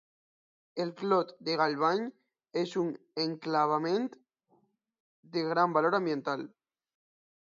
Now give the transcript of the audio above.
El Clot de Galvany és un enclavament de gran valor ambiental.